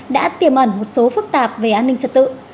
đã tiềm ẩn một số phức tạp về an ninh trật tự